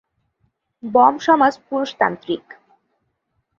Bomb সমাজ পুরুষতান্ত্রিক।